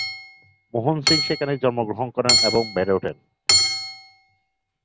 মোহন সিং সেখানেই জন্মগ্রহণ করেন এবং বেড়ে ওঠেন।